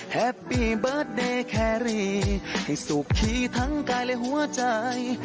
ให้สุขขี้ทั้งกายและหัวใจ